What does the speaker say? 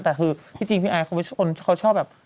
แต่คือที่จริงพี่อายเขาชอบแบบ